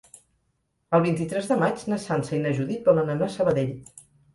El vint-i-tres de maig na Sança i na Judit volen anar a Sabadell.